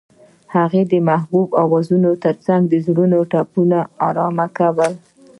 هغې د محبوب اوازونو ترڅنګ د زړونو ټپونه آرام کړل.